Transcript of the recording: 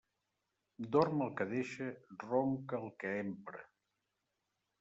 Dorm el que deixa, ronca el que empra.